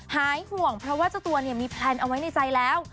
หายห่วงเพราะว่าเจ้าตัวเนี่ยมีแพลนเอาไว้ในใจแล้ว